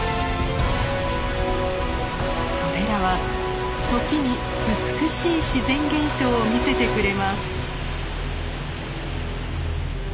それらは時に美しい自然現象を見せてくれます。